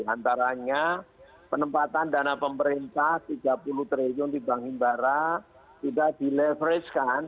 antaranya penempatan dana pemerintah rp tiga puluh triliun di bank himbara tidak dileverage kan